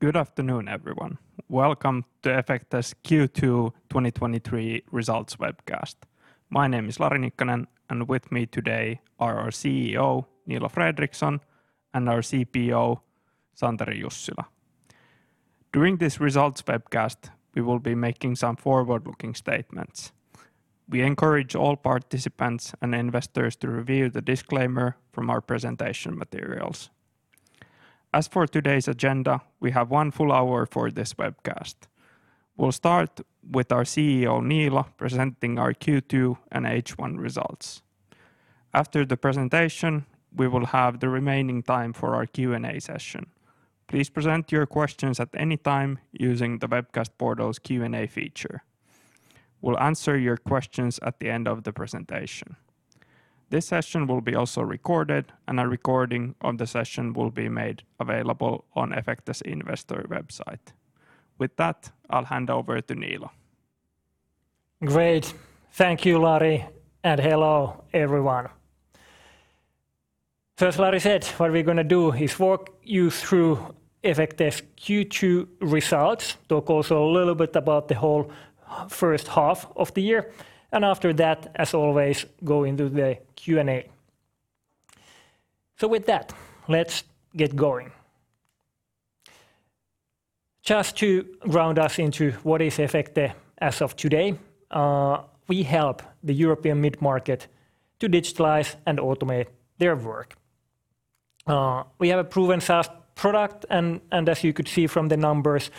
Good afternoon, everyone. Welcome to Efecte's Q2 2023 results webcast. My name is Lari Nikkanen, and with me today are our CEO, Niilo Fredrikson, and our CPO, Santeri Jussila. During this results webcast, we will be making some forward-looking statements. We encourage all participants and investors to review the disclaimer from our presentation materials. As for today's agenda, we have 1 full hour for this webcast. We'll start with our CEO, Niilo, presenting our Q2 and H1 results. After the presentation, we will have the remaining time for our Q&A session. Please present your questions at any time using the webcast portal's Q&A feature. We'll answer your questions at the end of the presentation. This session will be also recorded, and a recording of the session will be made available on Efecte's investor website. With that, I'll hand over to Niilo. Great. Thank you, Lari, hello, everyone. As Lari said, what we're gonna do is walk you through Efecte's Q2 results, talk also a little bit about the whole first half of the year, and after that, as always, go into the Q&A. With that, let's get going. Just to ground us into what is Efecte as of today, we help the European mid-market to digitalize and automate their work. We have a proven SaaS product, and as you could see from the numbers,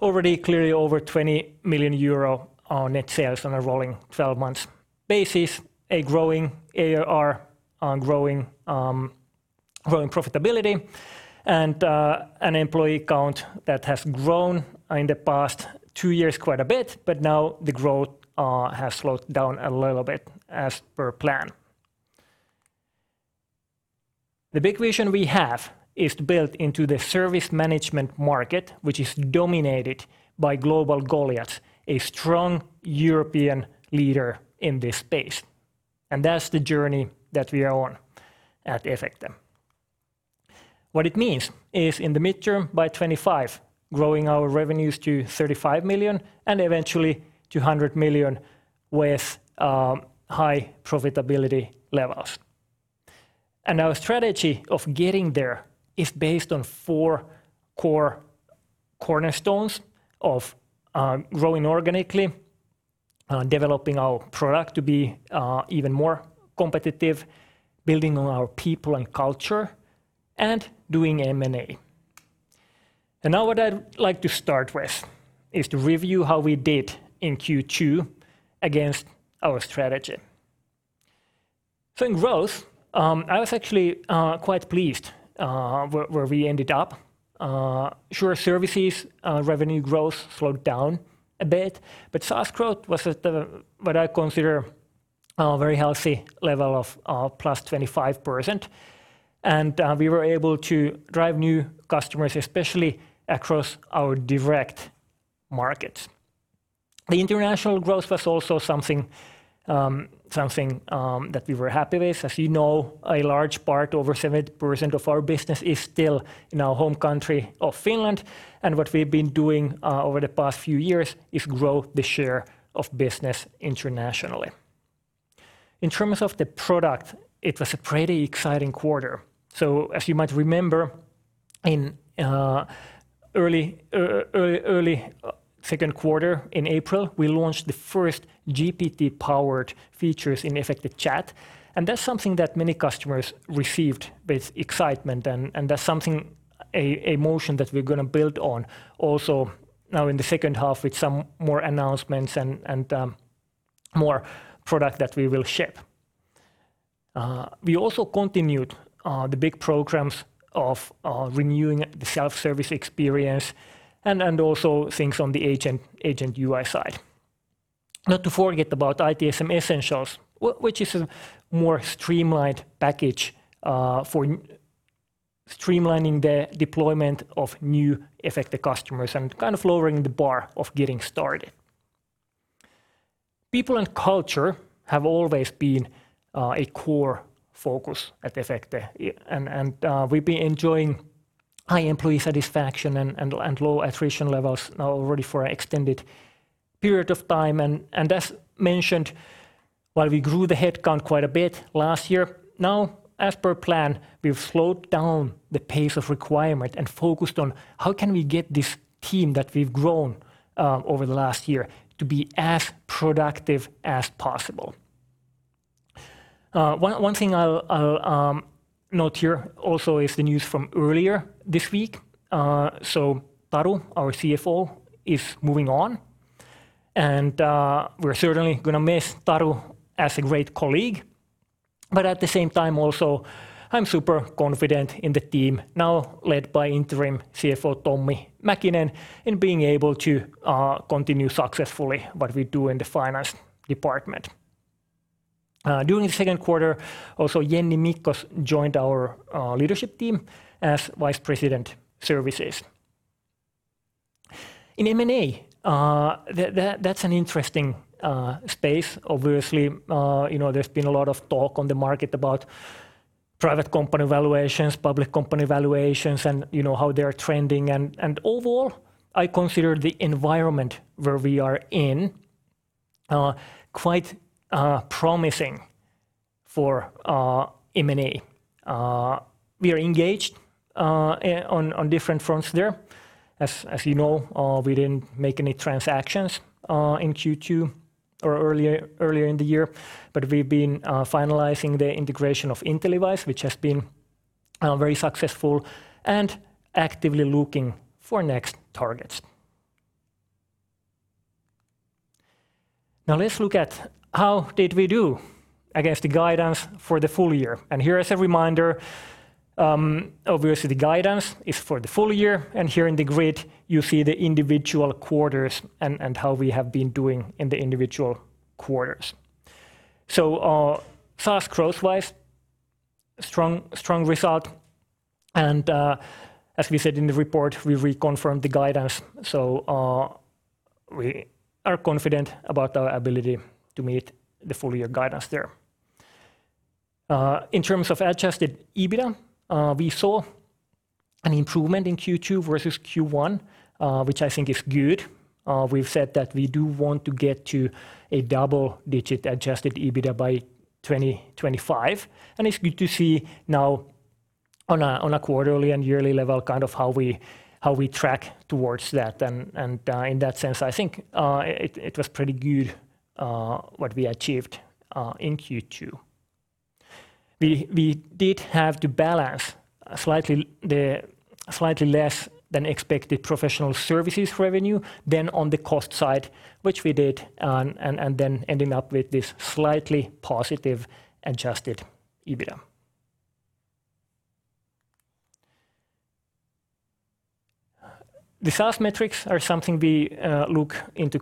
already clearly over 20 million euro on net sales on a rolling 12-months basis, a growing ARR, and growing profitability, and an employee count that has grown in the past two years quite a bit, but now the growth has slowed down a little bit as per plan. The big vision we have is to build into the service management market, which is dominated by global Goliaths, a strong European leader in this space, and that's the journey that we are on at Efecte. What it means is, in the midterm, by 2025, growing our revenues to 35 million, and eventually to 100 million with high profitability levels. Our strategy of getting there is based on four core cornerstones of growing organically, developing our product to be even more competitive, building on our people and culture, and doing M&A. Now what I'd like to start with is to review how we did in Q2 against our strategy. In growth, I was actually quite pleased where, where we ended up. Sure, services revenue growth slowed down a bit, but SaaS growth was at the... what I consider, a very healthy level of, +25%. We were able to drive new customers, especially across our direct markets. The international growth was also something, something, that we were happy with. As you know, a large part, over 70% of our business, is still in our home country of Finland. What we've been doing, over the past few years is grow the share of business internationally. In terms of the product, it was a pretty exciting quarter. As you might remember, in early second quarter, in April, we launched the first GPT-powered features in Efecte Chat. That's something that many customers received with excitement, and that's something, a motion that we're gonna build on also now in the second half, with some more announcements and more product that we will ship. We also continued the big programs of renewing the self-service experience and also things on the Agent UI side. Not to forget about ITSM Essentials, which is a more streamlined package for streamlining the deployment of new Efecte customers and kind of lowering the bar of getting started. People and culture have always been a core focus at Efecte, we've been enjoying high employee satisfaction and low attrition levels now already for an extended period of time, as mentioned, while we grew the headcount quite a bit last year, now, as per plan, we've slowed down the pace of requirement and focused on: How can we get this team that we've grown over the last year to be as productive as possible? One, one thing I'll note here also is the news from earlier this week. Taru, our CFO, is moving on, we're certainly gonna miss Taru as a great colleague. At the same time, also, I'm super confident in the team, now led by interim CFO Tommi Mäkinen, in being able to continue successfully what we do in the finance department. During the Q2, also, Jenni Mickos joined our leadership team as vice president, services. In M&A, that's an interesting space. Obviously, you know, there's been a lot of talk on the market about private company valuations, public company valuations, and, you know, how they are trending. Overall, I consider the environment where we are in quite promising for M&A. We are engaged on different fronts there. As, as you know, we didn't make any transactions in Q2 or earlier, earlier in the year, but we've been finalizing the integration of InteliWISE, which has been very successful and actively looking for next targets. Let's look at how did we do against the guidance for the full year. Here is a reminder. Obviously, the guidance is for the full year, and here in the grid, you see the individual quarters and how we have been doing in the individual quarters. SaaS growth-wise, strong, strong result, and as we said in the report, we reconfirmed the guidance, we are confident about our ability to meet the full year guidance there. In terms of adjusted EBITDA, we saw an improvement in Q2 versus Q1, which I think is good. We've said that we do want to get to a double-digit Adjusted EBITDA by 2025. It's good to see now on a quarterly and yearly level, kind of how we, how we track towards that. In that sense, I think it was pretty good what we achieved in Q2. We did have to balance slightly the slightly less-than-expected professional services revenue than on the cost side, which we did, ending up with this slightly positive Adjusted EBITDA. The SaaS metrics are something we look into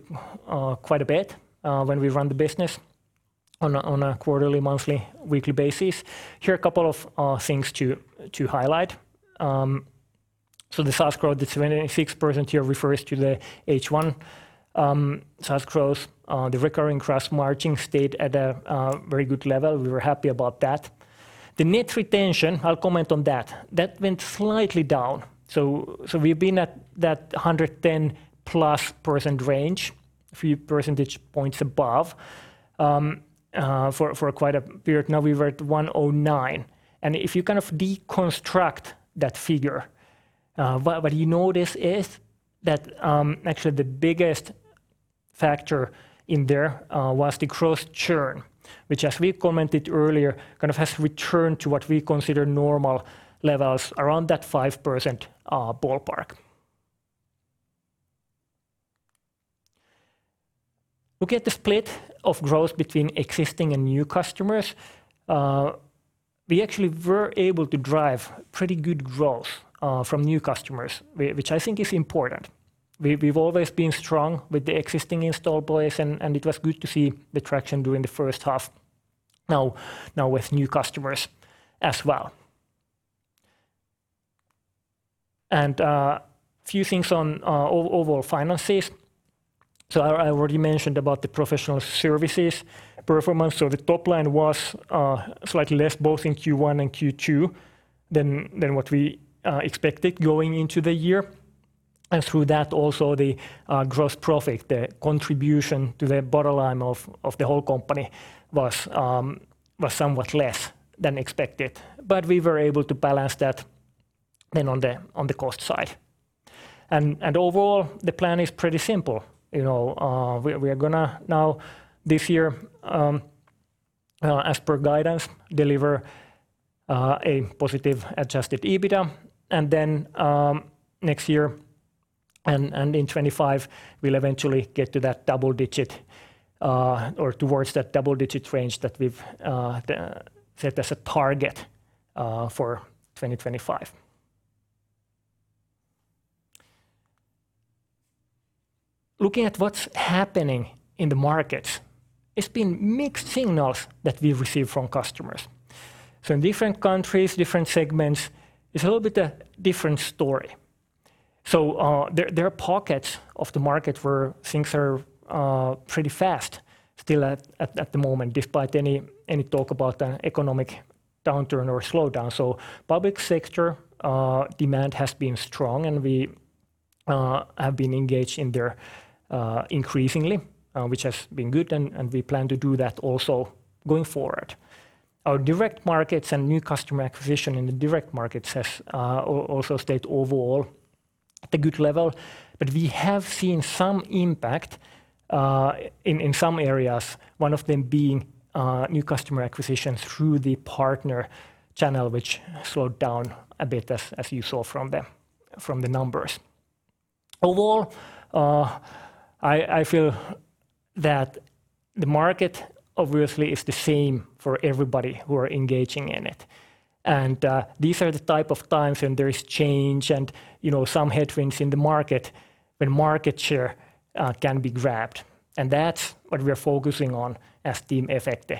quite a bit when we run the business on a quarterly, monthly, weekly basis. Here are a couple of things to highlight. The SaaS growth, the 76% here refers to the H1. SaaS growth, the recurring cross-margin stayed at a very good level. We were happy about that. The net retention, I'll comment on that. That went slightly down. We've been at that 110+% range, a few percentage points above, for, for quite a period. Now, we were at 109, and if you kind of deconstruct that figure, what, what you notice is that, actually the biggest factor in there, was the cross churn, which, as we commented earlier, kind of has returned to what we consider normal levels around that 5% ballpark. Look at the split of growth between existing and new customers. We actually were able to drive pretty good growth from new customers, which I think is important. We've, we've always been strong with the existing install base, it was good to see the traction during the first half, now, now with new customers as well. A few things on overall finances. I, I already mentioned about the professional services performance. The top line was slightly less, both in Q1 and Q2, than, than what we expected going into the year. Through that, also, the Gross profit, the contribution to the bottom line of, of the whole company was somewhat less than expected. We were able to balance that then on the cost side. Overall, the plan is pretty simple. You know, we, we are gonna now, this year, as per guidance, deliver a positive Adjusted EBITDA, and then, next year and, in 2025, we'll eventually get to that double-digit, or towards that double-digit range that we've set as a target for 2025. Looking at what's happening in the markets, it's been mixed signals that we've received from customers. In different countries, different segments, it's a little bit a different story. There, there are pockets of the market where things are pretty fast still at, at, at the moment, despite any, any talk about an economic downturn or slowdown. Public sector demand has been strong, and we have been engaged in there increasingly, which has been good, and, and we plan to do that also going forward. Our direct markets and new customer acquisition in the direct markets has also stayed overall at a good level, but we have seen some impact in, in some areas, one of them being new customer acquisition through the partner channel, which slowed down a bit, as, as you saw from the, from the numbers. Overall, I, I feel that the market obviously is the same for everybody who are engaging in it. These are the type of times when there is change and, you know, some headwinds in the market, when market share can be grabbed, and that's what we're focusing on as team Efecte.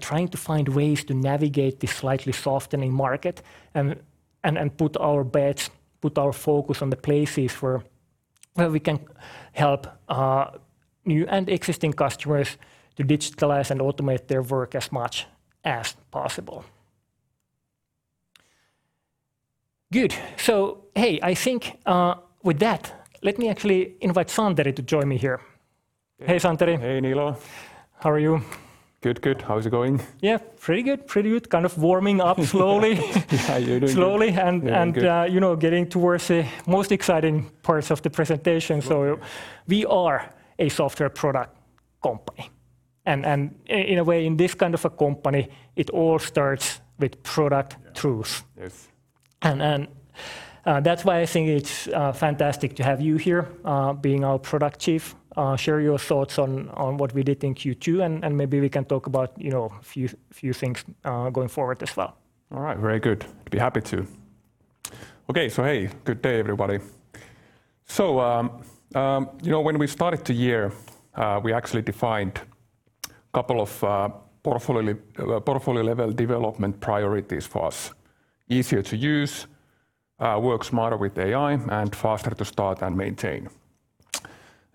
Trying to find ways to navigate the slightly softening market, and, and, and put our bets, put our focus on the places where, where we can help new and existing customers to digitalize and automate their work as much as possible. Good. Hey, I think, with that, let me actually invite Santeri to join me here. Hey, Santeri. Hey, Niilo. How are you? Good, good. How is it going? Yeah, pretty good. Pretty good. Kind of warming up slowly- Yeah, you're doing-... slowly. Yeah, good. You know, getting towards the most exciting parts of the presentation. Good. We are a software product company. In a way, in this kind of a company, it all starts with product truth. Yes. That's why I think it's fantastic to have you here, being our Product Chief. Share your thoughts on what we did in Q2, and maybe we can talk about, you know, a few things going forward as well. All right, very good. I'd be happy to. Okay, hey, good day, everybody. You know, when we started the year, we actually defined a couple of portfolio-level development priorities for us: easier to use, work smarter with AI, and faster to start and maintain.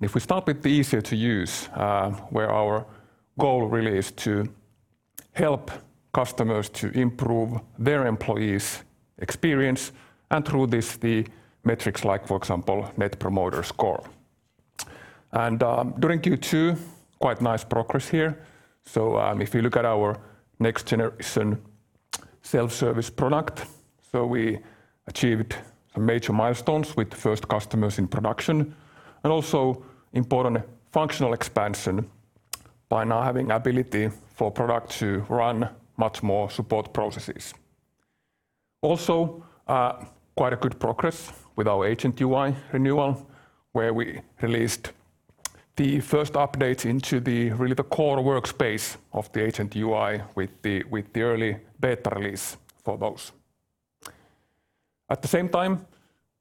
If we start with the easier to use, where our goal really is to help customers to improve their employees' experience, and through this, the metrics like, for example, Net Promoter Score. During Q2, quite nice progress here. If you look at our next-generation self-service product, we achieved some major milestones with the first customers in production, and also, important functional expansion by now having ability for product to run much more support processes. Also, quite a good progress with our Agent UI renewal, where we released the first update into the really the core workspace of the Agent UI with the, with the early beta release for those. At the same time,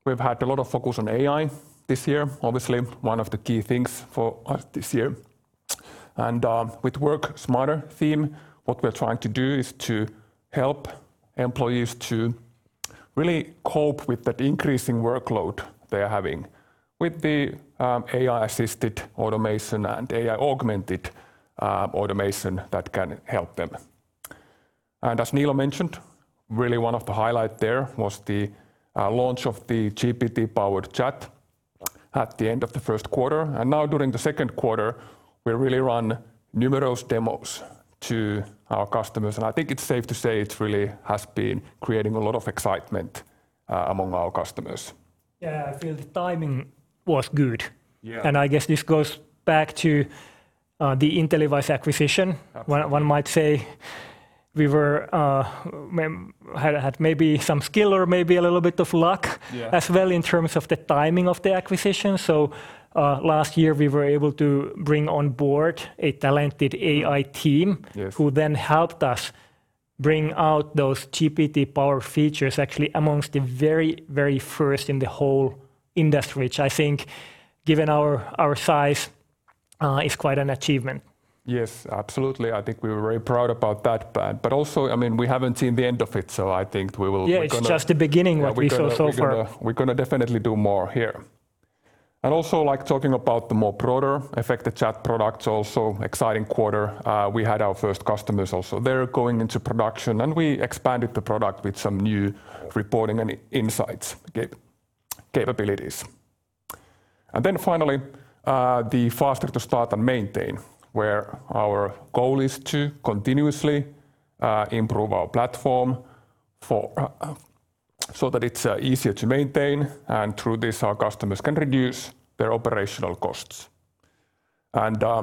we've had a lot of focus on AI this year, obviously one of the key things for us this year. With work smarter theme, what we're trying to do is to help employees to really cope with that increasing workload they're having with the AI-assisted automation and AI-augmented automation that can help them. As Niilo mentioned, really one of the highlight there was the launch of the GPT-powered chat at the end of the first quarter. Now, during the second quarter, we really run numerous demos to our customers, and I think it's safe to say it really has been creating a lot of excitement among our customers. Yeah, I feel the timing was good. Yeah. I guess this goes back to, the InteliWISE acquisition. Absolutely. One, one might say we were, had maybe some skill or maybe a little bit of luck... Yeah... as well in terms of the timing of the acquisition. Last year, we were able to bring on board a talented AI team... Yes who then helped us bring out those GPT power features, actually amongst the very, very first in the whole industry, which I think, given our, our size, is quite an achievement. Yes, absolutely. I think we're very proud about that. But also, I mean, we haven't seen the end of it, so I think we will- Yeah... we're gonna- It's just the beginning, what we saw so far. Yeah, we're gonna, we're gonna definitely do more here. Also, like, talking about the more broader Efecte Chat products, also exciting quarter. We had our first customers also there going into production, and we expanded the product with some new reporting and in- insights ca- capabilities. Then finally, the faster to start and maintain, where our goal is to continuously improve our platform for so that it's easier to maintain, and through this, our customers can reduce their operational costs.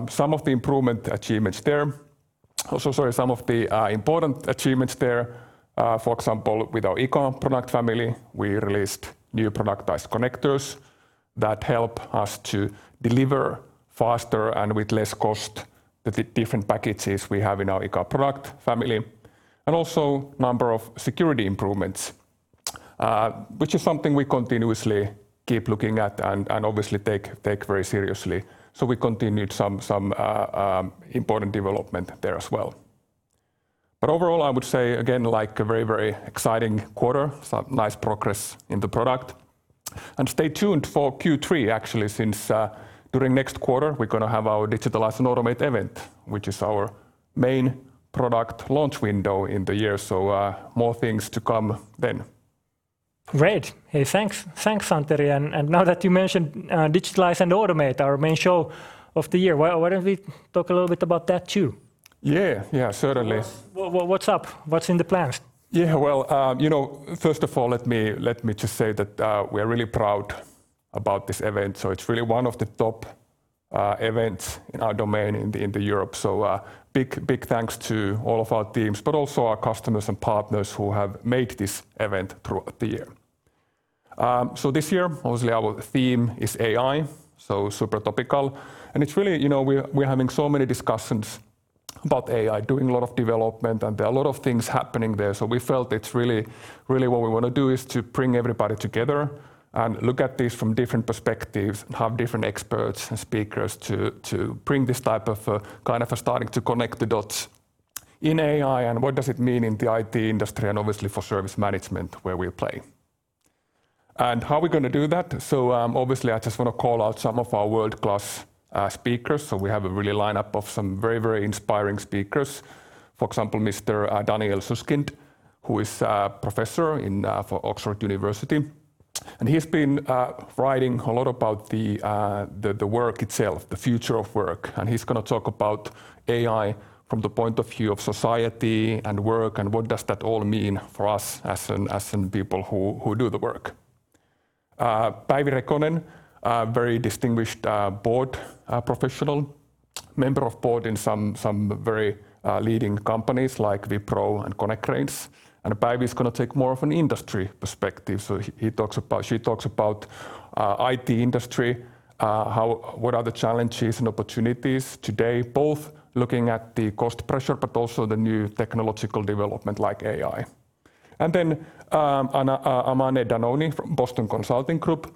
Some of the improvement achievements there, also. Sorry, some of the important achievements there, for example, with our eCom product family, we released new productized connectors that help us to deliver faster and with less cost the different packages we have in our eCom product family, and also number of security improvements, which is something we continuously keep looking at and obviously take very seriously. We continued some important development there as well. Overall, I would say again, like a very, very exciting quarter, some nice progress in the product. Stay tuned for Q3, actually, since during next quarter, we're gonna have our Digitalize and Automate event, which is our main product launch window in the year. More things to come then. Great! Hey, thanks, thanks, Santeri. Now that you mentioned Digitalize and Automate, our main show of the year, why, why don't we talk a little bit about that too? Yeah. Yeah, certainly. What, what, what's up? What's in the plans? Yeah, well, you know, first of all, let me, let me just say that, we are really proud about this event. It's really one of the top events in our domain in the Europe. Big, big thanks to all of our teams, but also our customers and partners who have made this event throughout the year. This year, obviously, our theme is AI, super topical. It's really, you know, we're, we're having so many discussions-... about AI, doing a lot of development, and there are a lot of things happening there. We felt it's really, really what we wanna do is to bring everybody together and look at this from different perspectives, and have different experts and speakers to, to bring this type of, kind of starting to connect the dots in AI, and what does it mean in the IT industry, and obviously for service management, where we play. How are we gonna do that? Obviously, I just wanna call out some of our world-class speakers. We have a really lineup of some very, very inspiring speakers. For example, Mr. Daniel Susskind, who is a Fellow in for Oxford University, and he's been writing a lot about the, the, the work itself, the future of work. He's gonna talk about AI from the point of view of society and work, and what does that all mean for us as people who, who do the work? Päivi Rekonen, a very distinguished board professional, member of board in some very leading companies, like Wipro and Konecranes. Päivi is gonna take more of an industry perspective, so he, he talks about-- she talks about IT industry, what are the challenges and opportunities today, both looking at the cost pressure, but also the new technological development like AI. Then, Amane Dannouni from Boston Consulting Group,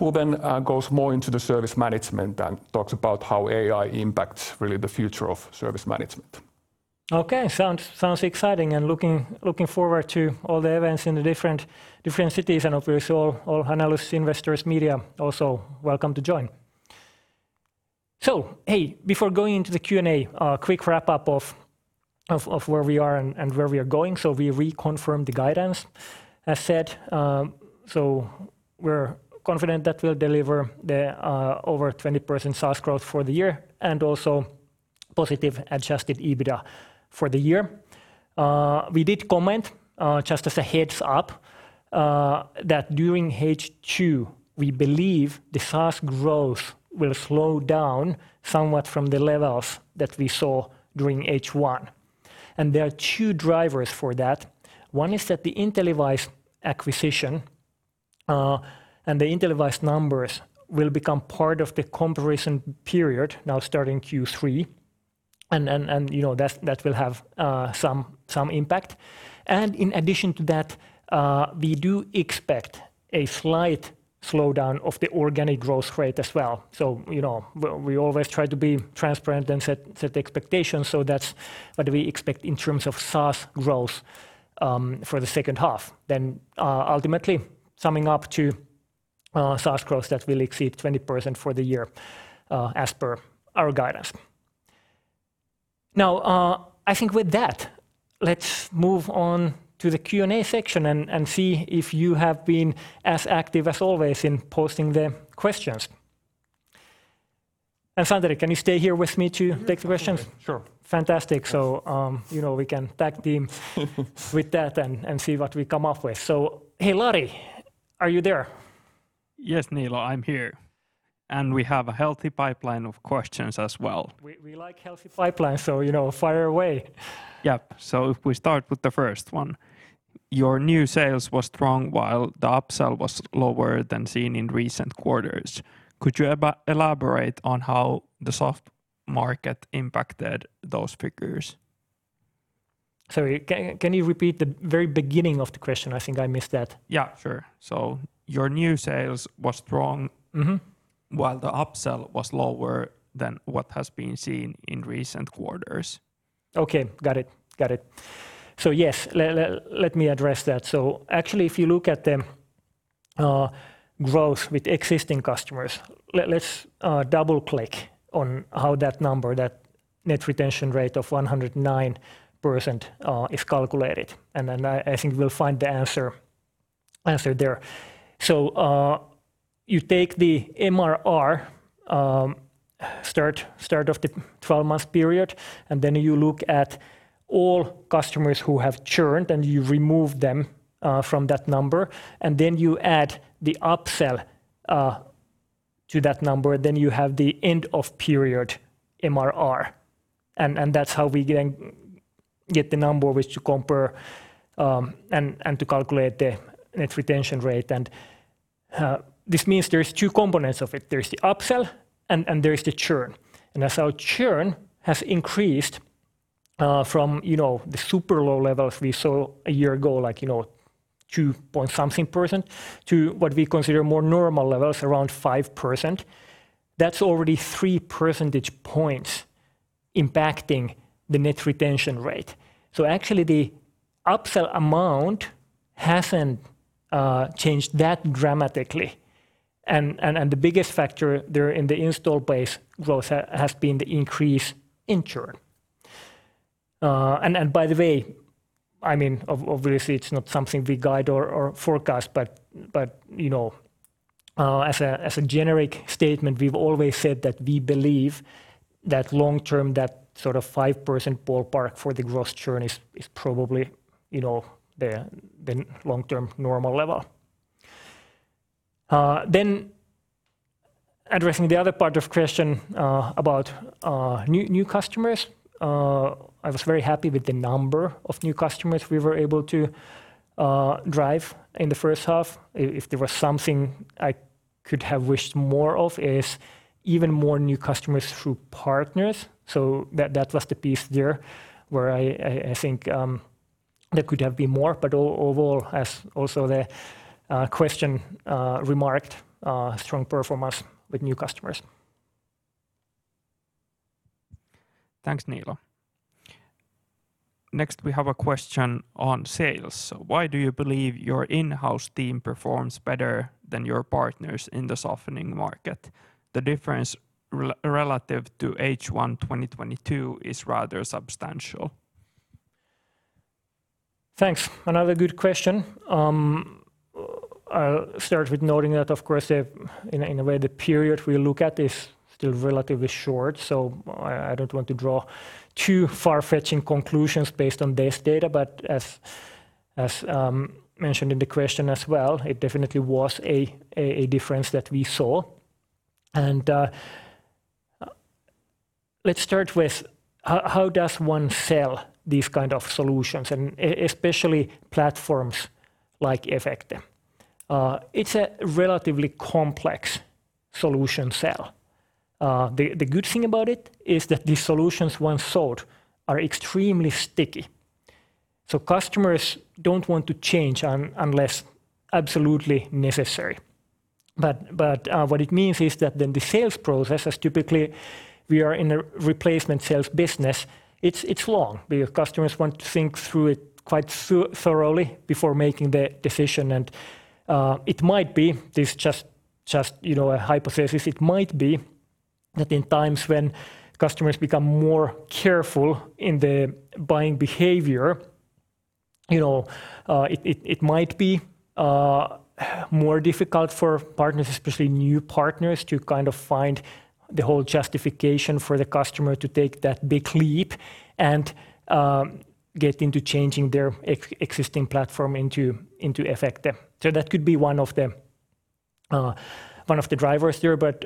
who then goes more into the service management and talks about how AI impacts really the future of service management. Okay, sounds, sounds exciting, and looking, looking forward to all the events in the different, different cities, and obviously all, all analysts, investors, media, also welcome to join. hey, before going into the Q&A, a quick wrap-up of, of, of where we are and, and where we are going. We reconfirm the guidance, as said. we're confident that we'll deliver the over 20% SaaS growth for the year, and also positive adjusted EBITDA for the year. We did comment, just as a heads-up, that during H2, we believe the SaaS growth will slow down somewhat from the levels that we saw during H1. There are two drivers for that. One is that the InteliWISE acquisition, and the InteliWISE numbers will become part of the comparison period, now starting Q3. You know, that, that will have some, some impact. In addition to that, we do expect a slight slowdown of the organic growth rate as well. You know, we always try to be transparent and set, set the expectations, so that's what we expect in terms of SaaS growth for the second half. Ultimately, summing up to SaaS growth that will exceed 20% for the year, as per our guidance. I think with that, let's move on to the Q&A section and, and see if you have been as active as always in posting the questions. Santeri, can you stay here with me to. Yeah... take the questions? Sure. Fantastic. you know, we can tag team with that and see what we come up with. hey, Lari, are you there? Yes, Niilo, I'm here, and we have a healthy pipeline of questions as well. We like healthy pipeline, so, you know, fire away. Yeah. If we start with the first one: Your new sales was strong, while the upsell was lower than seen in recent quarters. Could you elaborate on how the soft market impacted those figures? Sorry, can you repeat the very beginning of the question? I think I missed that. Yeah, sure. Your new sales was strong... Mm-hmm ... while the upsell was lower than what has been seen in recent quarters. Okay, got it. Got it. Yes, let me address that. Actually, if you look at the growth with existing customers, let's double-click on how that number, that net retention rate of 109%, is calculated, and then I think we'll find the answer there. You take the MRR, start of the 12-month period, and then you look at all customers who have churned, and you remove them from that number, and then you add the upsell to that number, then you have the end-of-period MRR. That's how we get the number which to compare and to calculate the net retention rate. This means there's two components of it. There's the upsell, and there is the churn. As our churn has increased, from, you know, the super low levels we saw a year ago, like, you know, 2-point-something%, to what we consider more normal levels, around 5%, that's already 3 percentage points impacting the Net retention rate. Actually, the upsell amount hasn't changed that dramatically. The biggest factor there in the install base growth has been the increase in churn. By the way, I mean, obviously, it's not something we guide or, or forecast, but, but, you know, as a, as a generic statement, we've always said that we believe that long-term, that sort of 5% ballpark for the Gross churn is, is probably, you know, the, the long-term normal level. Addressing the other part of question about new, new customers, I was very happy with the number of new customers we were able to drive in the first half. If there was something I could have wished more of is even more new customers through partners. That, that was the piece there where I, I, I think, there could have been more, but overall, as also the question remarked, strong performance with new customers. Thanks, Niilo. Next, we have a question on sales: Why do you believe your in-house team performs better than your partners in the softening market? The difference relative to H1, 2022 is rather substantial. Thanks. Another good question. I'll start with noting that, of course, the, in a, in a way, the period we look at is still relatively short, so I, I don't want to draw too far-fetching conclusions based on this data. As, as mentioned in the question as well, it definitely was a, a, a difference that we saw. Let's start with how does one sell these kind of solutions and especially platforms like Efecte? It's a relatively complex solution sell. The, the good thing about it is that these solutions, once sold, are extremely sticky. Customers don't want to change unless absolutely necessary. What it means is that then the sales process, as typically we are in a replacement sales business, it's long, because customers want to think through it quite thoroughly before making the decision. It might be, this is just, you know, a hypothesis, it might be that in times when customers become more careful in their buying behavior, you know, it might be more difficult for partners, especially new partners, to kind of find the whole justification for the customer to take that big leap and get into changing their existing platform into, into Efecte. That could be one of the one of the drivers here, but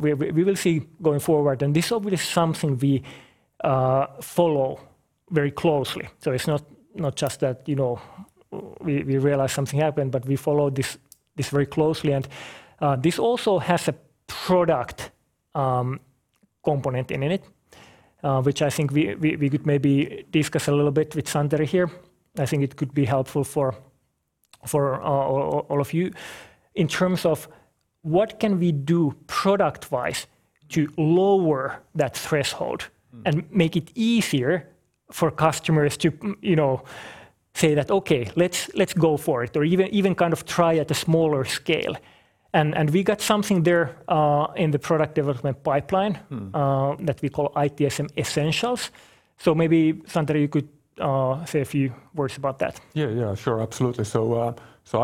we will see going forward. This will be something we follow very closely. So it's not, not just that, you know, we, we realise something happened, but we follow this, this very closely. This also has a product component in it, which I think we, we, we could maybe discuss a little bit with Santeri here. I think it could be helpful for, for all of you. In terms of what can we do product-wise to lower that threshold- Mm. -and make it easier for customers to, you know, say that, "Okay, let's, let's go for it," or even, even kind of try at a smaller scale? and we got something there, in the product development pipeline. Mm... that we call ITSM Essentials. maybe, Santeri, you could, say a few words about that. Yeah, yeah. Sure. Absolutely. So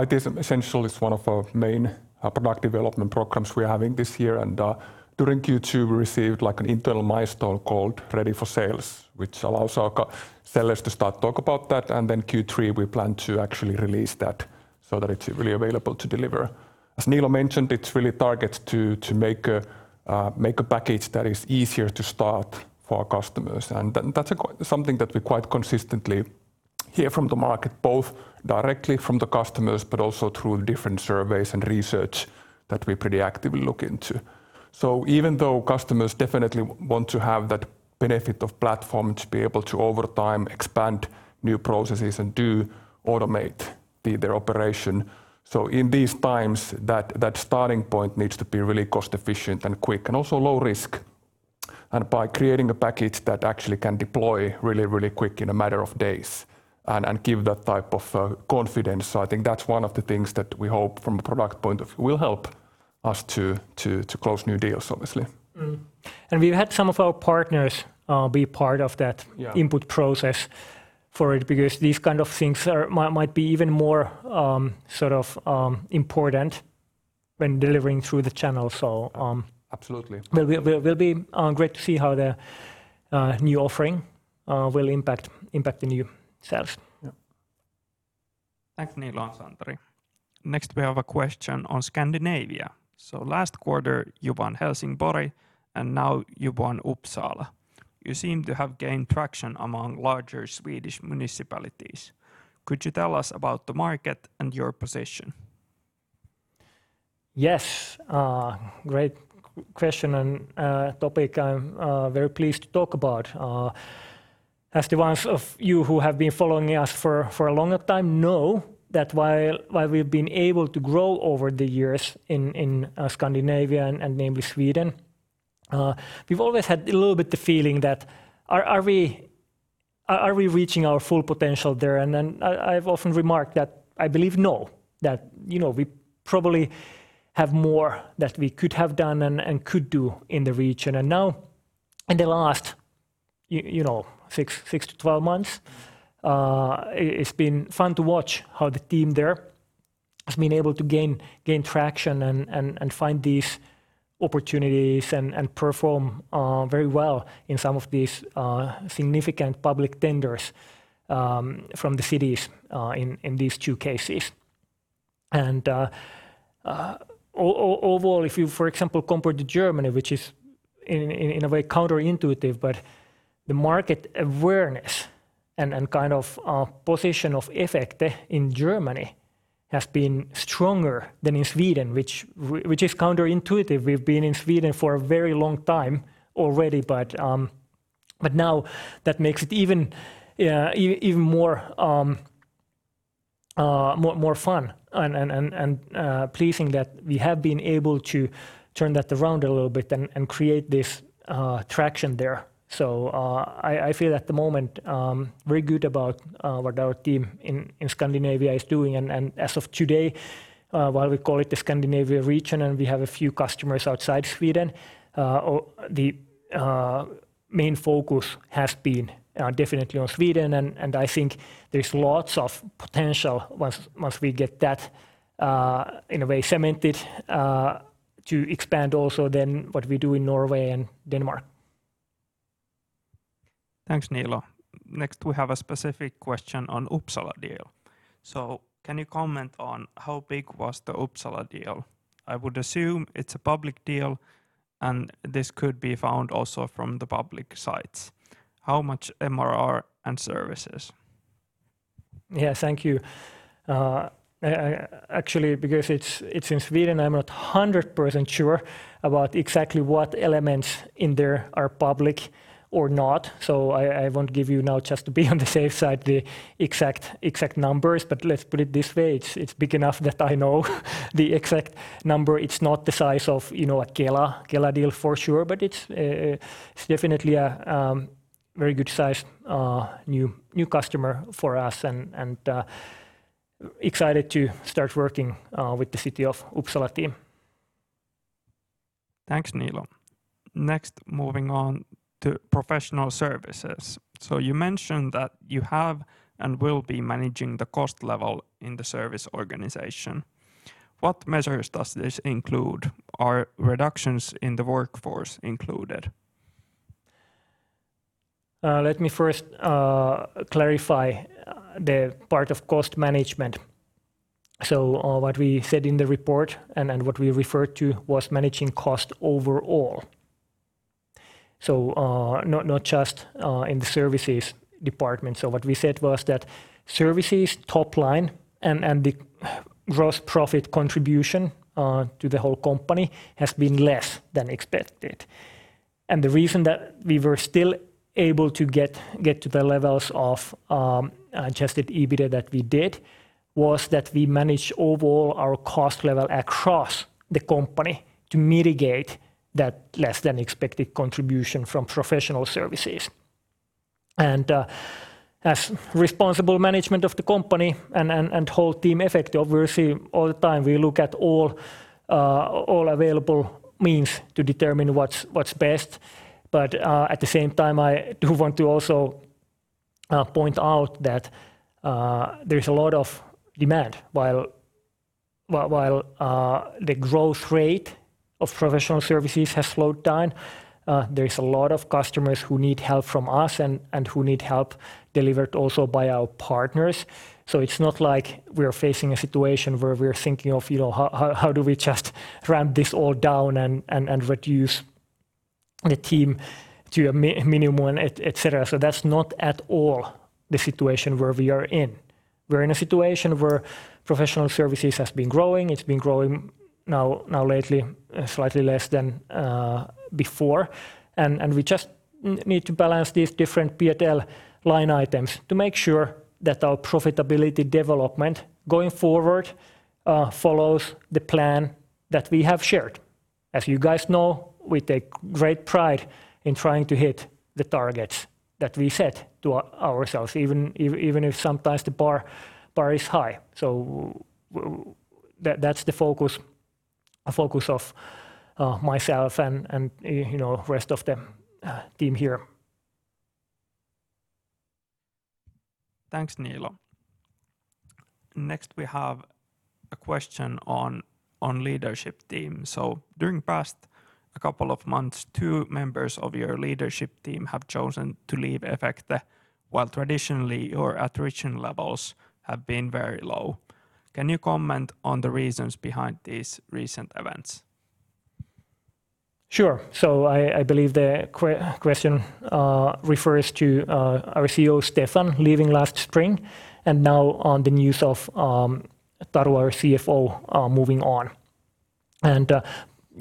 ITSM Essentials is one of our main product development programs we're having this year. During Q2, we received, like, an internal milestone called Ready for Sales, which allows our sellers to start talk about that, and then Q3, we plan to actually release that so that it's really available to deliver. As Niilo mentioned, it's really targeted to, to make a make a package that is easier to start for our customers. Then that's something that we quite consistently hear from the market, both directly from the customers, but also through different surveys and research that we pretty actively look into. Even though customers definitely want to have that benefit of platform to be able to, over time, expand new processes and do automate the, their operation, so in these times, that, that starting point needs to be really cost-efficient and quick, and also low risk. By creating a package that actually can deploy really, really quick, in a matter of days, and, and give that type of confidence. I think that's one of the things that we hope from a product point of... will help us to, to, to close new deals, obviously. Mm-hmm. We've had some of our partners, be part of that- Yeah... input process for it, because these kind of things are, might, might be even more, sort of, important when delivering through the channel, so... Absolutely... Will be great to see how the new offering will impact, impact the new sales. Yeah. Thanks, Niilo and Santeri. Last quarter, you won Helsingborg, and now you've won Uppsala. You seem to have gained traction among larger Swedish municipalities. Could you tell us about the market and your position? Yes, great question and topic I'm very pleased to talk about. As the ones of you who have been following us for a longer time know, that while we've been able to grow over the years in Scandinavia, and mainly Sweden, we've always had a little bit the feeling that, are we reaching our full potential there? Then I, I've often remarked that I believe no, that, you know, we probably have more that we could have done and could do in the region. Now, in the last you know, six, six to 12 months, it's been fun to watch how the team there has been able to gain, gain traction and, and, and find these opportunities and, and perform very well in some of these significant public tenders from the cities in these two cases. Overall, if you, for example, compare to Germany, in, in, in a way, counterintuitive, but the market awareness and, and kind of, position of Efecte in Germany has been stronger than in Sweden, which which is counterintuitive. We've been in Sweden for a very long time already, but now that makes it even more fun and pleasing that we have been able to turn that around a little bit and create this traction there. I feel at the moment very good about what our team in Scandinavia is doing. As of today, while we call it the Scandinavia region, and we have a few customers outside Sweden, the main focus has been definitely on Sweden, and I think there's lots of potential once we get that in a way, cemented, to expand also then what we do in Norway and Denmark. Thanks, Niilo. Next, we have a specific question on Uppsala deal. Can you comment on how big was the Uppsala deal? I would assume it's a public deal, and this could be found also from the public sites. How much MRR and services? Yeah, thank you. I, actually, because it's, it's in Sweden, I'm not 100% sure about exactly what elements in there are public or not, so I, I won't give you now, just to be on the safe side, the exact, exact numbers. Let's put it this way, it's, it's big enough that I know the exact number. It's not the size of, you know, a Kela, Kela deal for sure, but it's definitely a very good size new customer for us, and excited to start working with the City of Uppsala team. Thanks, Niilo. Next, moving on to professional services. You mentioned that you have and will be managing the cost level in the service organization. What measures does this include? Are reductions in the workforce included? Let me first clarify the part of cost management. What we said in the report and what we referred to was managing cost overall. Not, not just in the services department. What we said was that services top line and the gross profit contribution to the whole company has been less than expected. The reason that we were still able to get to the levels of Adjusted EBITDA that we did, was that we managed overall our cost level across the company to mitigate that less than expected contribution from professional services. As responsible management of the company and whole team Efecte, obviously, all the time, we look at all available means to determine what's, what's best. At the same time, I do want to also point out that there is a lot of demand. While, while the growth rate of professional services has slowed down, there is a lot of customers who need help from us and, and who need help delivered also by our partners. It's not like we're facing a situation where we're thinking of, you know, how, how, how do we just ramp this all down and, and, and reduce the team to a minimum one, et cetera. That's not at all the situation where we are in. We're in a situation where professional services has been growing. It's been growing now, now lately, slightly less than before. We just need to balance these different P&L line items to make sure that our profitability development going forward, follows the plan that we have shared. As you guys know, we take great pride in trying to hit the targets that we set to ourselves, even if sometimes the bar is high. That, that's the focus, focus of myself and, you know, rest of the team here. Thanks, Niilo. Next, we have a question on leadership team. During past a couple of months, 2 members of your leadership team have chosen to leave Efecte, while traditionally, your attrition levels have been very low. Can you comment on the reasons behind these recent events? Sure. I, I believe the que- question refers to our CEO, Stefan, leaving last spring, and now on the news of Taru, our CFO, moving on.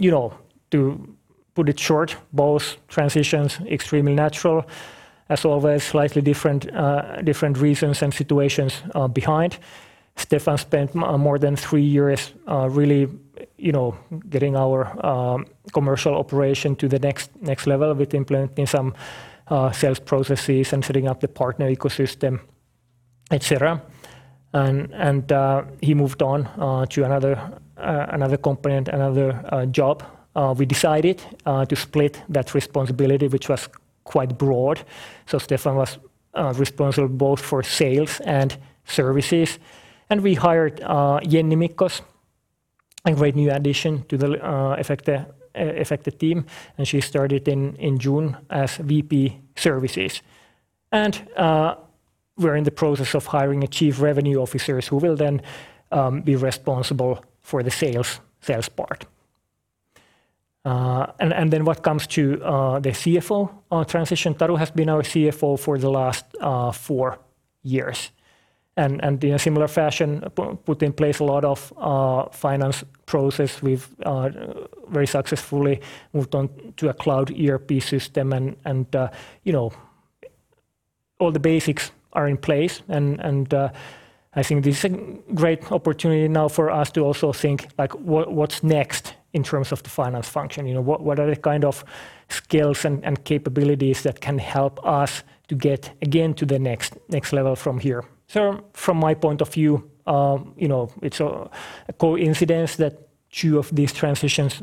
You know, to put it short, both transitions extremely natural, as always, slightly different different reasons and situations behind. Stefan spent m- more than three years, really, you know, getting our commercial operation to the next, next level with implementing some sales processes and setting up the partner ecosystem, et cetera. And he moved on to another another company and another job. We decided to split that responsibility, which was quite broad. Stefan was responsible both for sales and services. We hired Jenni Mickos, a great new addition to the Efecte team. She started in June as VP Services. We're in the process of hiring a Chief Revenue Officer who will then be responsible for the sales part. What comes to the CFO transition, Taru has been our CFO for the last 4 years, and in a similar fashion, put in place a lot of finance process. We've very successfully moved on to a cloud ERP system, and you know, all the basics are in place, and I think this is a great opportunity now for us to also think, like, what's next in terms of the finance function? You know, what, what are the kind of skills and, and capabilities that can help us to get again to the next, next level from here? From my point of view, you know, it's a coincidence that two of these transitions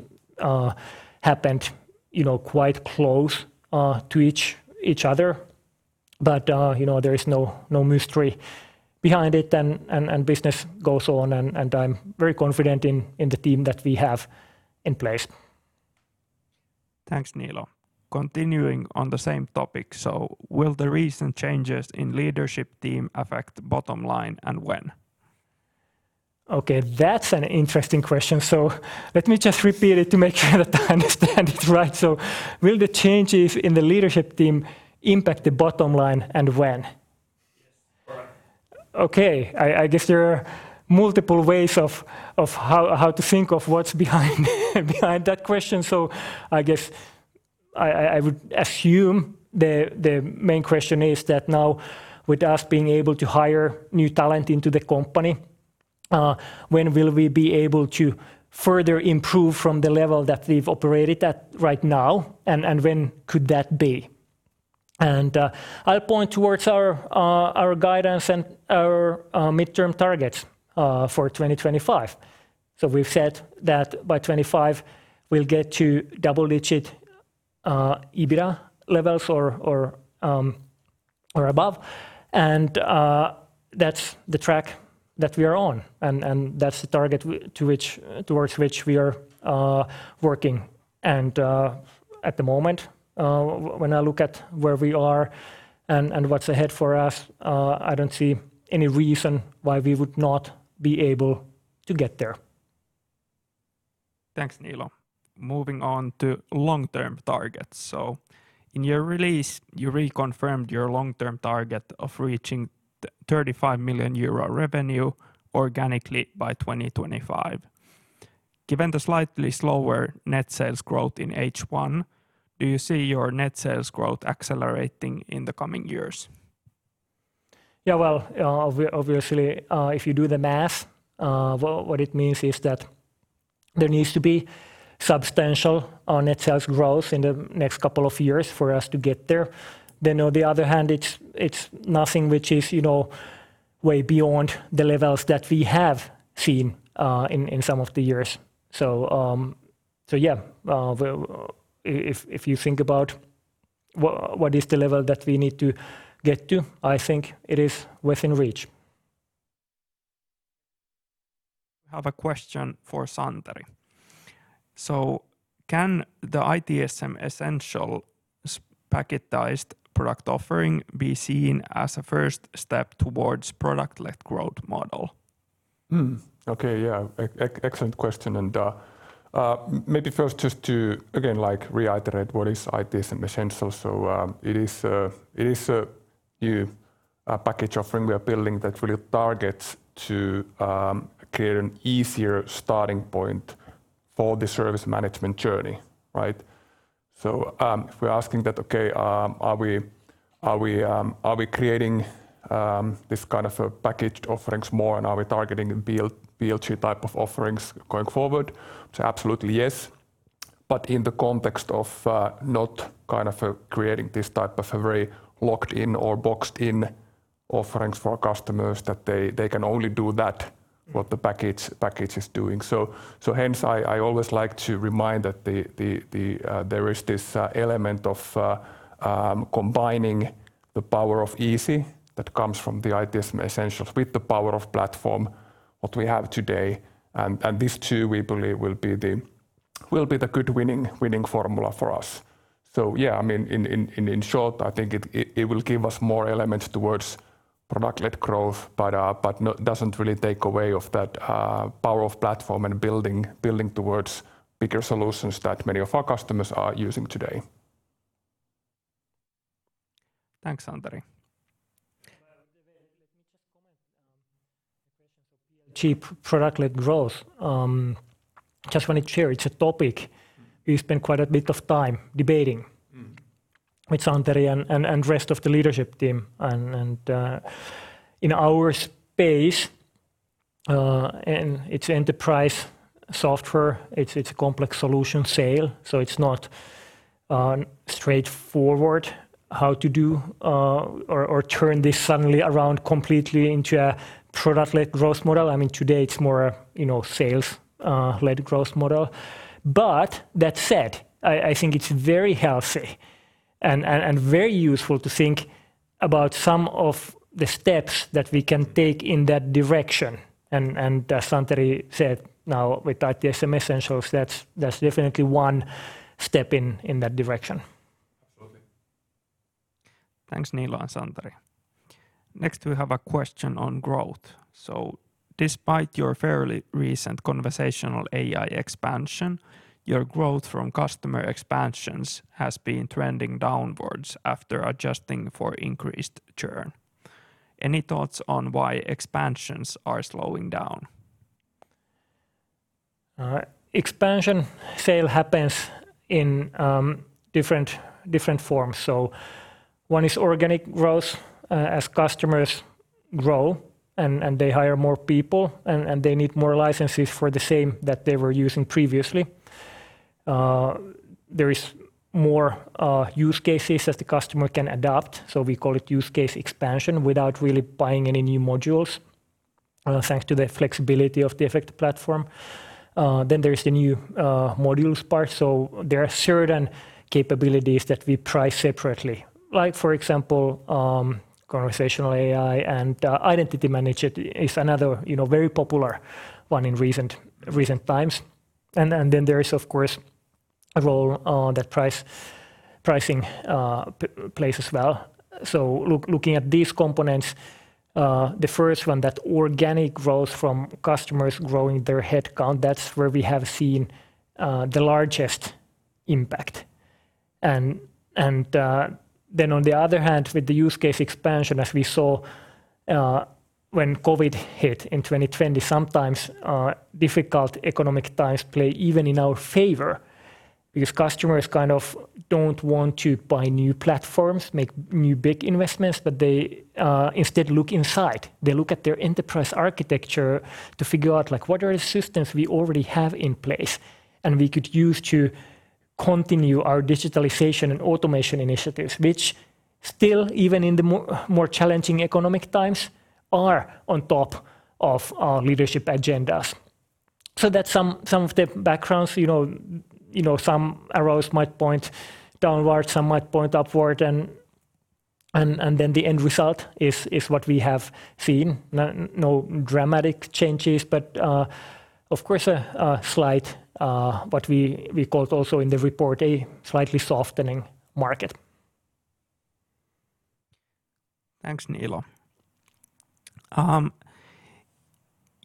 happened, you know, quite close to each, each other. You know, there is no, no mystery behind it, and, and, and business goes on and, and I'm very confident in, in the team that we have in place. Thanks, Niilo. Continuing on the same topic: will the recent changes in leadership team affect bottom line, and when? Okay, that's an interesting question! Let me just repeat it to make sure that I understand it right. Will the changes in the leadership team impact the bottom line, and when? Yes, right. Okay, I, I guess there are multiple ways of, of how, how to think of what's behind behind that question. I guess I, I, I would assume the, the main question is that now, with us being able to hire new talent into the company, when will we be able to further improve from the level that we've operated at right now, and, and when could that be? I point towards our, our guidance and our, midterm targets, for 2025. We've said that by 25, we'll get to double-digit EBITDA levels or, or, or above, and, that's the track that we are on, and, and that's the target to which, towards which we are, working. At the moment, when I look at where we are and, and what's ahead for us, I don't see any reason why we would not be able to get there. Thanks, Niilo. Moving on to long-term targets. In your release, you reconfirmed your long-term target of reaching 35 million euro revenue organically by 2025. Given the slightly slower net sales growth in H1, do you see your net sales growth accelerating in the coming years? Yeah, well, obviously, if you do the math, what, what it means is that there needs to be substantial on net sales growth in the next couple of years for us to get there. On the other hand, it's, it's nothing which is, you know, way beyond the levels that we have seen, in, in some of the years. So yeah, if, if you think about what, what is the level that we need to get to, I think it is within reach. I have a question for Santeri. Can the ITSM Essentials package-ized product offering be seen as a first step towards product-led growth model? Hmm. Okay, yeah. Excellent question, and maybe first just to, again, like reiterate what is ITSM Essentials. It is a, it is a new package offering we are building that really targets to create an easier starting point for the service management journey, right? If we're asking that, okay, are we, are we, are we creating this kind of a packaged offerings more, and are we targeting PLG type of offerings going forward? Absolutely, yes, but in the context of not kind of creating this type of a very locked-in or boxed-in offerings for customers, that they, they can only do that- Mm... what the package, package is doing. So, so hence, I, I always like to remind that the, the, the, there is this element of combining the power of easy that comes from the ITSM Essentials with the power of platform, what we have today, and, and these two, we believe will be the, will be the good winning, winning formula for us. So yeah, I mean, in, in, in, in short, I think it, it, it will give us more elements towards product-led growth, but doesn't really take away of that power of platform and building, building towards bigger solutions that many of our customers are using today. Thanks, Santeri. Well, let me just comment on the questions of cheap product-led growth. Just want to share, it's a topic we spent quite a bit of time debating... Mm... with Santeri and rest of the leadership team. in our space, and it's enterprise software, it's, it's a complex solution sale, so it's not straightforward how to do, or turn this suddenly around completely into a product-led growth model. I mean, today, it's more, you know, sales led growth model. That said, I think it's very healthy and very useful to think about some of the steps that we can take in that direction. as Santeri said, now with ITSM Essentials, that's definitely one step in that direction. Absolutely. Thanks, Niilo and Santeri. Next, we have a question on growth. Despite your fairly recent conversational AI expansion, your growth from customer expansions has been trending downwards after adjusting for increased churn. Any thoughts on why expansions are slowing down? Expansion sale happens in different, different forms. One is organic growth. As customers grow and, and they hire more people and, and they need more licenses for the same that they were using previously. There is more use cases that the customer can adopt, so we call it use case expansion, without really buying any new modules, thanks to the flexibility of the Efecte platform. Then there is the new modules part. There are certain capabilities that we price separately, like, for example, conversational AI and identity management is another, you know, very popular one in recent, recent times. Then, then there is, of course, a role that price- pricing plays as well. Looking at these components, the first one, that organic growth from customers growing their headcount, that's where we have seen the largest impact. Then on the other hand, with the use case expansion, as we saw, when COVID hit in 2020, sometimes difficult economic times play even in our favor because customers kind of don't want to buy new platforms, make new big investments, but they instead look inside. They look at their enterprise architecture to figure out, like, what are systems we already have in place and we could use to continue our digitalization and automation initiatives, which still, even in the more, more challenging economic times, are on top of our leadership agendas. That's some, some of the backgrounds, you know, you know, some arrows might point downwards, some might point upward, and, and, and then the end result is, is what we have seen. No dramatic changes, but, of course, a slight, what we, we call it also in the report, a slightly softening market. Thanks, Niilo.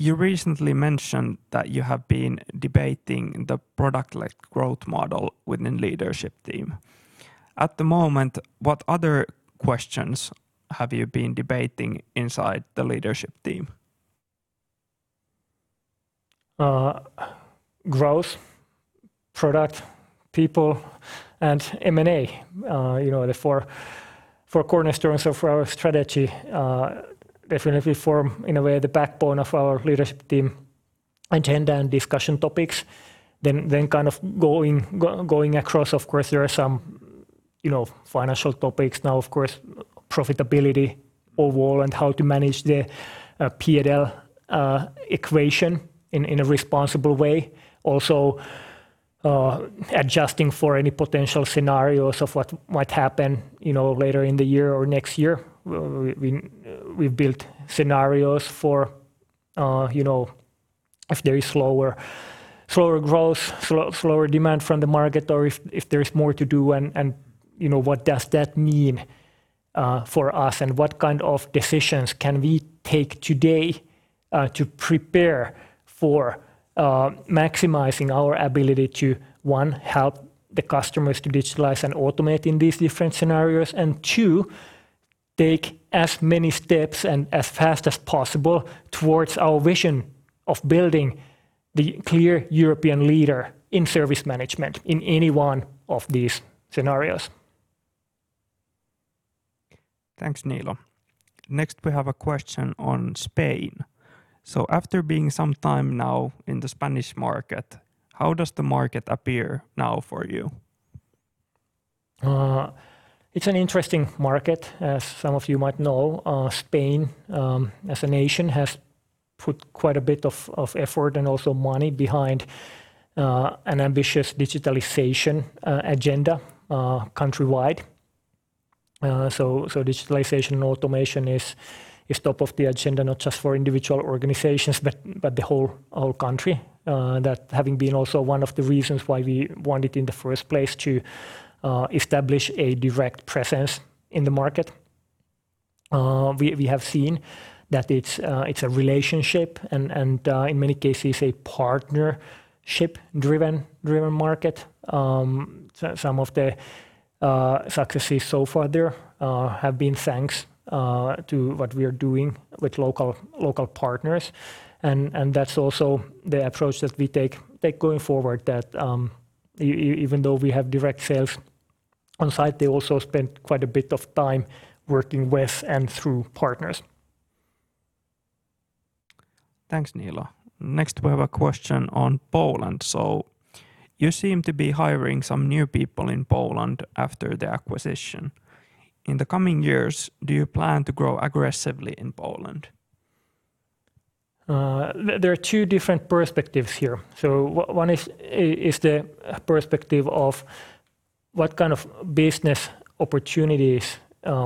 You recently mentioned that you have been debating the product-led growth model within leadership team. At the moment, what other questions have you been debating inside the leadership team? Growth, product, people, and M&A. You know, the four, four cornerstones of our strategy, definitely form, in a way, the backbone of our leadership team agenda and discussion topics. Kind of, going across, of course, there are some, you know, financial topics now, of course, profitability overall, and how to manage the P&L equation in a responsible way. Adjusting for any potential scenarios of what might happen, you know, later in the year or next year. We've built scenarios for, you know, if there is slower, slower growth, slower demand from the market, or if there is more to do, and, you know, what does that mean for us? What kind of decisions can we take today, to prepare for, maximizing our ability to, one, help the customers to digitalize and automate in these different scenarios, and two, take as many steps and as fast as possible towards our vision of building the clear European leader in service management in any one of these scenarios? Thanks, Niilo. Next, we have a question on Spain. After being some time now in the Spanish market, how does the market appear now for you? ing market. As some of you might know, Spain, as a nation, has put quite a bit of effort and also money behind an ambitious digitalization agenda countrywide. Digitalization and automation is top of the agenda, not just for individual organizations, but the whole country. That having been also one of the reasons why we wanted in the first place to establish a direct presence in the market. We have seen that it's a relationship and, in many cases, a partnership-driven market. some of the successes so far there have been thanks to what we are doing with local, local partners, and, and that's also the approach that we take, take going forward, that even though we have direct sales on site, they also spend quite a bit of time working with and through partners. Thanks, Niilo. Next, we have a question on Poland. You seem to be hiring some new people in Poland after the acquisition. In the coming years, do you plan to grow aggressively in Poland? There, there are two different perspectives here. One is, is the perspective of, what kind of business opportunities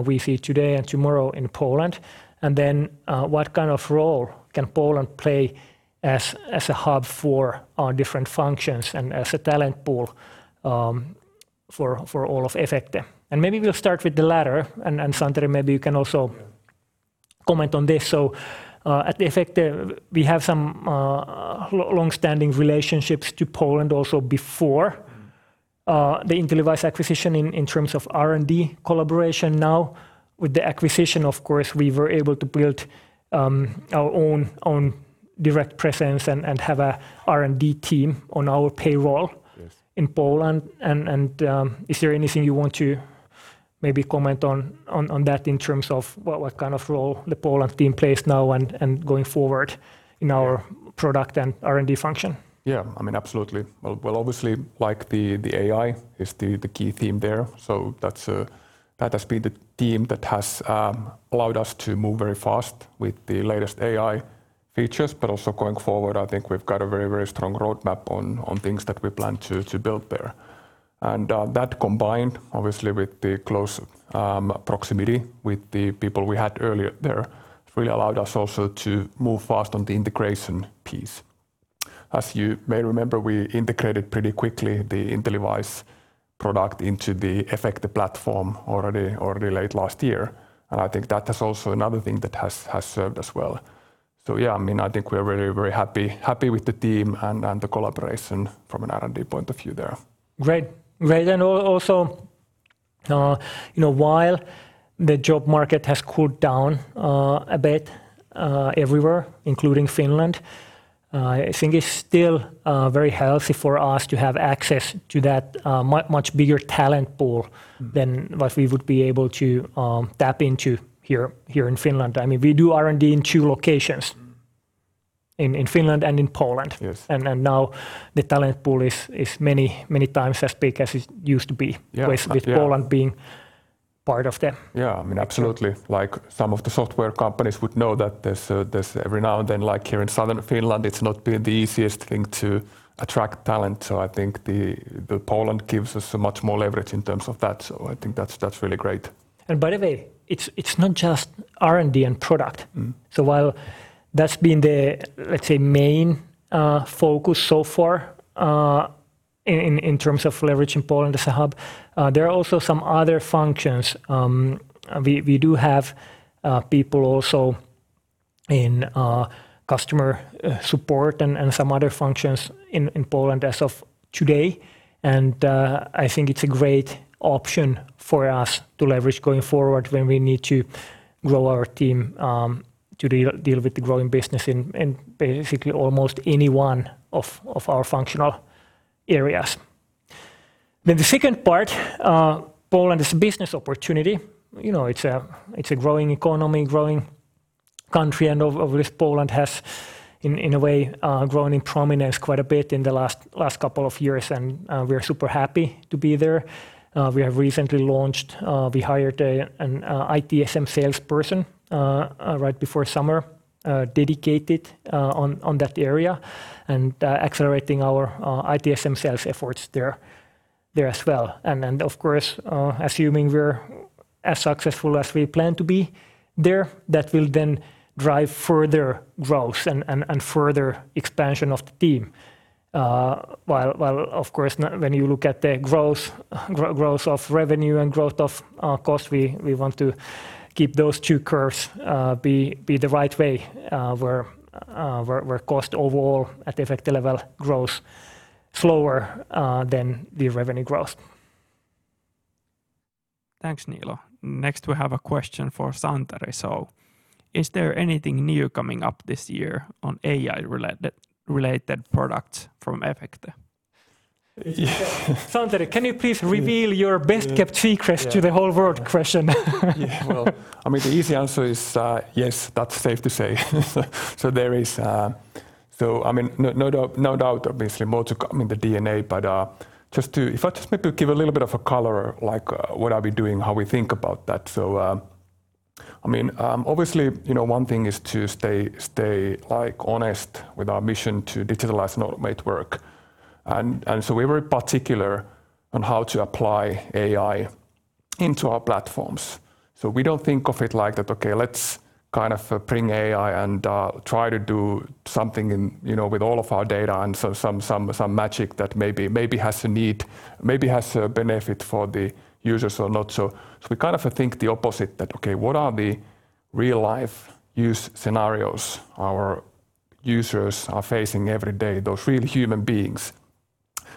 we see today and tomorrow in Poland? Then, what kind of role can Poland play as, as a hub for our different functions and as a talent pool for, for all of Efecte? Maybe we'll start with the latter, and Santeri, maybe you can also. Yeah comment on this. At Efecte, we have some long-standing relationships to Poland also before- the InteliWISE acquisition in, in terms of R&D collaboration. Now, with the acquisition, of course, we were able to build, our own, own direct presence and, and have a R&D team on our payroll. Yes... in Poland. and, is there anything you want to maybe comment on, on, on that, in terms of what, what kind of role the Poland team plays now and, and going forward in our- Yeah product and R&D function? Yeah, I mean, absolutely. Well, well, obviously, like the, the AI is the, the key theme there, so that's that has been the team that has allowed us to move very fast with the latest AI features. Also going forward, I think we've got a very, very strong roadmap on, on things that we plan to, to build there. That combined, obviously, with the close proximity with the people we had earlier there, really allowed us also to move fast on the integration piece. As you may remember, we integrated pretty quickly the InteliWISE product into the Efecte platform already, already late last year, and I think that is also another thing that has, has served us well. So yeah, I mean, I think we're very, very happy, happy with the team and, and the collaboration from an R&D point of view there. Great. Great. Also, you know, while the job market has cooled down a bit everywhere, including Finland, I think it's still very healthy for us to have access to that much bigger talent pool.... than what we would be able to tap into here, here in Finland. I mean, we do R&D in two locations: in, in Finland and in Poland. Yes. Now, the talent pool is, is many, many times as big as it used to be. Yeah. Yeah. with Poland being part of them. Yeah, I mean, absolutely. Like, some of the software companies would know that there's, there's every now and then, like here in southern Finland, it's not been the easiest thing to attract talent, so I think the, the Poland gives us much more leverage in terms of that, so I think that's, that's really great. by the way, it's not just R&D and product. While that's been the, let's say, main focus so far, in, in, in terms of leveraging Poland as a hub, there are also some other functions. We, we do have people also in customer support and, and some other functions in, in Poland as of today, and I think it's a great option for us to leverage going forward when we need to grow our team, to deal, deal with the growing business in, in basically almost any one of, of our functional areas. The second part, Poland is a business opportunity. You know, it's a, it's a growing economy, growing country, and of which Poland has, in, in a way, grown in prominence quite a bit in the last, last couple of years, and we are super happy to be there. We have recently launched, we hired an ITSM salesperson right before summer, dedicated on that area, and accelerating our ITSM sales efforts there as well. Then, of course, assuming we're as successful as we plan to be there, that will then drive further growth and further expansion of the team. While, while of course, when you look at the growth, growth of revenue and growth of cost, we want to keep those two curves the right way, where cost overall at the Efecte level grows slower than the revenue growth. Thanks, Niilo. Next, we have a question for Santeri. Is there anything new coming up this year on AI-related, related products from Efecte? Yeah. Santeri, can you please reveal your best-kept secrets... Yeah... to the whole world question? Yeah. Well, I mean, the easy answer is, yes, that's safe to say. There is, I mean, no, no doubt, no doubt, obviously, more to come in the DNA, but, just to, if I just maybe give a little bit of a color, like, what are we doing, how we think about that. I mean, obviously, you know, one thing is to stay, stay, like, honest with our mission to digitalize make work. We're very particular on how to apply AI into our platforms. We don't think of it like that, okay, let's kind of bring AI and, try to do something in, you know, with all of our data, and so some, some, some magic that maybe, maybe has a need, maybe has a benefit for the users or not. So we kind of think the opposite, that, okay, what are the real-life use scenarios our users are facing every day, those real human beings?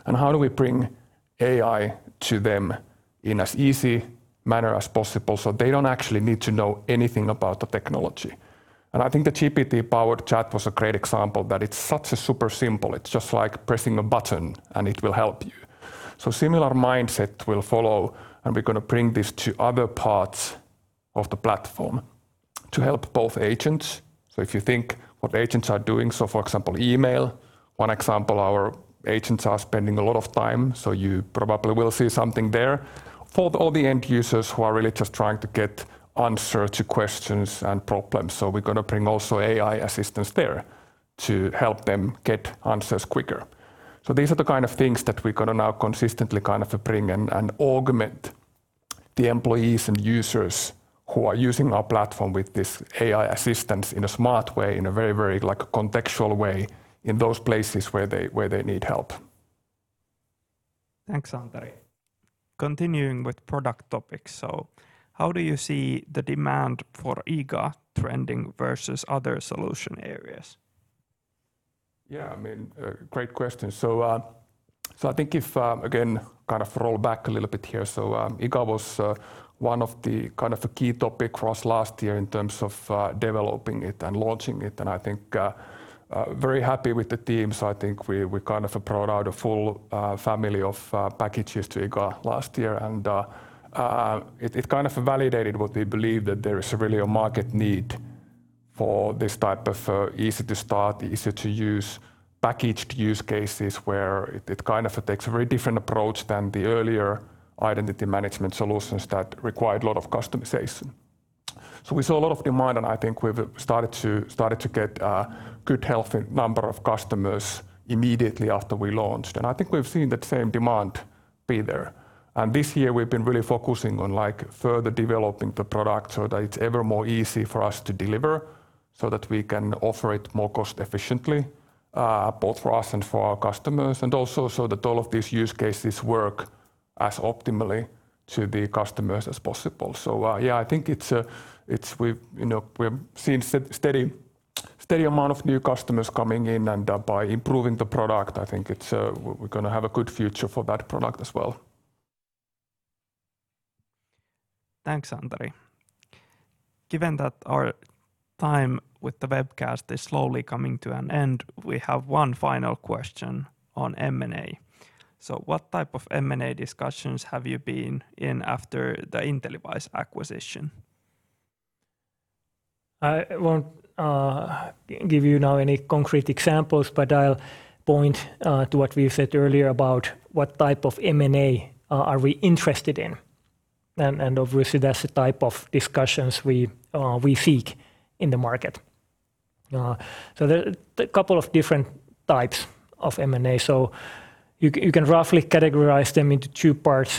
How do we bring AI to them in as easy manner as possible, so they don't actually need to know anything about the technology? I think the GPT-powered chat was a great example, that it's such a super simple. It's just like pressing a button, and it will help you. Similar mindset will follow, and we're gonna bring this to other parts of the platform to help both agents... If you think what agents are doing, so for example, email, one example, our agents are spending a lot of time, so you probably will see something there. For all the end users who are really just trying to get answer to questions and problems, we're gonna bring also AI assistance there to help them get answers quicker. These are the kind of things that we're gonna now consistently kind of bring in and augment the employees and users who are using our platform with this AI assistance in a smart way, in a very, very, like, a contextual way, in those places where they, where they need help. Thanks, Santeri. Continuing with product topics, how do you see the demand for IGA trending versus other solution areas? Yeah, I mean, great question. I think if, again, kind of roll back a little bit here, IGA was one of the kind of the key topic across last year in terms of developing it and launching it, and I think very happy with the teams. I think we, we kind of brought out a full family of packages to IGA last year. It, it kind of validated what we believe, that there is really a market need for this type of easy to start, easy to use, packaged use cases, where it, it kind of takes a very different approach than the earlier identity management solutions that required a lot of customization. We saw a lot of demand, and I think we've started to get a good, healthy number of customers immediately after we launched. I think we've seen that same demand be there. This year we've been really focusing on, like, further developing the product so that it's ever more easy for us to deliver, so that we can offer it more cost efficiently, both for us and for our customers, and also so that all of these use cases work as optimally to the customers as possible. Yeah, I think it's we've, you know, we've seen steady, steady amount of new customers coming in, and by improving the product, I think it's we're gonna have a good future for that product as well. Thanks, Santeri. Given that our time with the webcast is slowly coming to an end, we have one final question on M&A. What type of M&A discussions have you been in after the InteliWISE acquisition? I won't give you now any concrete examples, but I'll point to what we said earlier about what type of M&A are we interested in. Obviously, that's the type of discussions we seek in the market. There are a couple of different types of M&A. You can roughly categorize them into two parts.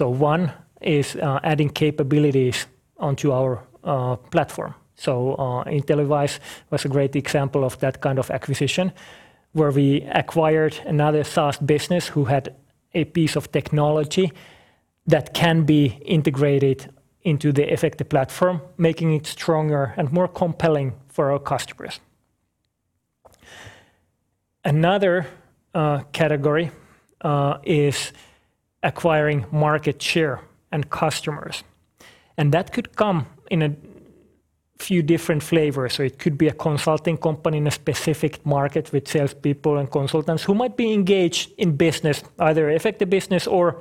One is adding capabilities onto our platform. InteliWISE was a great example of that kind of acquisition, where we acquired another SaaS business who had a piece of technology that can be integrated into the Efecte platform, making it stronger and more compelling for our customers. Another category is acquiring market share and customers, and that could come in a few different flavors. It could be a consulting company in a specific market with salespeople and consultants who might be engaged in business, either Efecte business or,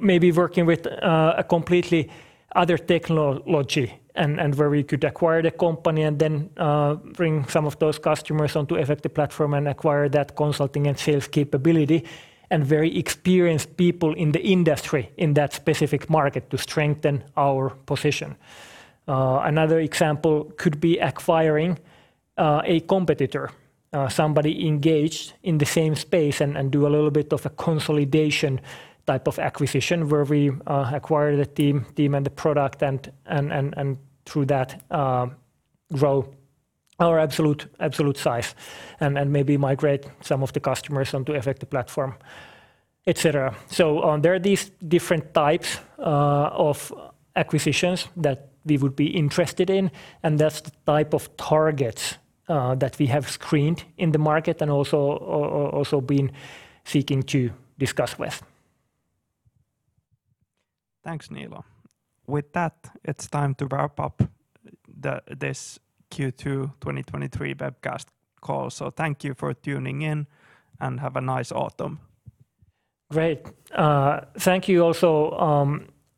maybe working with a completely other technology, and, and where we could acquire the company and then bring some of those customers onto Efecte platform and acquire that consulting and sales capability, and very experienced people in the industry, in that specific market, to strengthen our position. Another example could be acquiring a competitor, somebody engaged in the same space and, and do a little bit of a consolidation type of acquisition, where we acquire the team, team and the product, and, and, and, and through that, grow our absolute, absolute size and, and maybe migrate some of the customers onto Efecte platform, et cetera. There are these different types of acquisitions that we would be interested in, and that's the type of targets that we have screened in the market and also, also been seeking to discuss with. Thanks, Niilo. With that, it's time to wrap up this Q2 2023 webcast call. Thank you for tuning in, and have a nice autumn. Great. Thank you also,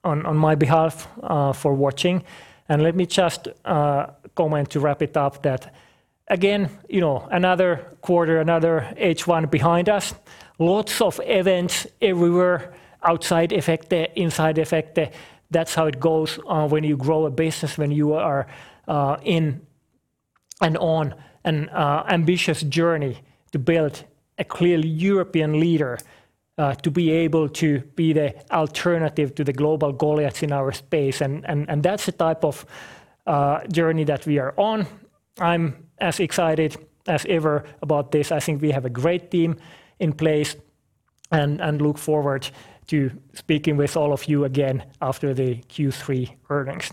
on, on my behalf, for watching. Let me just comment to wrap it up that, again, you know, another quarter, another H1 behind us. Lots of events everywhere outside Efecte, inside Efecte. That's how it goes, when you grow a business, when you are in and on an ambitious journey to build a clear European leader, to be able to be the alternative to the global goliaths in our space, and, and, and that's the type of journey that we are on. I'm as excited as ever about this. I think we have a great team in place and, and look forward to speaking with all of you again after the Q3 earnings.